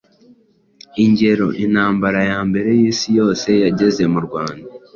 Ingero: Intambara ya Mbere y’isi yose yageze no mu Rwanda.